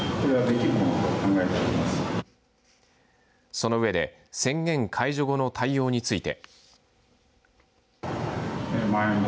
その上で宣言解除後の対応について。